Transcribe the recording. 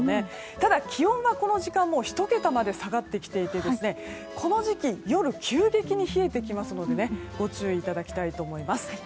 ただ、気温がこの時間１桁まで下がってきていてこの時期、夜は急激に冷えてきますのでご注意いただきたいと思います。